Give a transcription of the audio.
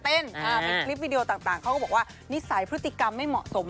เป็นคลิปวิดีโอต่างเขาก็บอกว่านิสัยพฤติกรรมไม่เหมาะสม